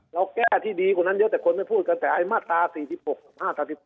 เราแก้ที่ดีกว่านั้นเยอะแต่คนได้พูดกันแต่ไอ้ป้าตา๔๖๕๒